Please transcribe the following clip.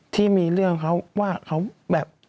ที่มีเรื่องเขาว่าเขาแบบ